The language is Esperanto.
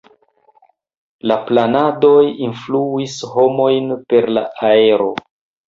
La planedoj influis homojn per la aero.